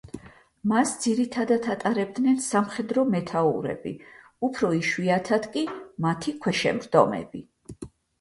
მას ძირითადად ატარებდნენ სამხედრო მეთაურები, უფრო იშვიათად კი მათი ქვეშევრდომები.